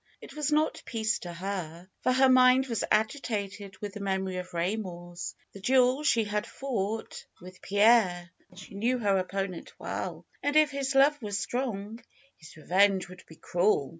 It was not peace to her. For her mind was agitated with the memory of Kaymor's ; the duel she had fought with FAITH 247 Pierre. She knew her opponent well, and if his love was strong, his revenge would be cruel.